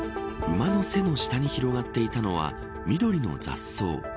馬の背の下に広がっていたのは緑の雑草。